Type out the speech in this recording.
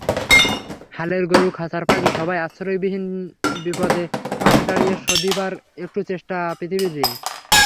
হালের গরু, খাঁচার পাখি সবাই আশ্রয়হীনবিপদে পাশে দাঁড়িয়ে শোধিবার একটু চেষ্টা পৃথিবীর ঋণ।